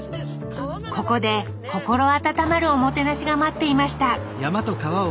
ここで心温まるおもてなしが待っていました。